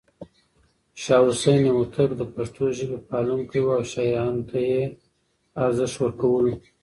شاه حسين هوتک د پښتو ژبې پالونکی و او شاعرانو ته يې ارزښت ورکولو.